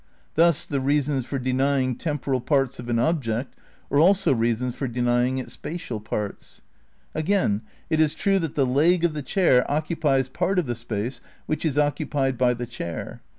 Thus the reasons for denying temporal parts of an object are also reasons for denying it spatial parts. Again, it is true that the leg of the chair occupies part of the space which is occu pied by the chair.